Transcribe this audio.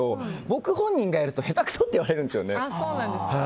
僕本人がやると下手くそって言われるんですね。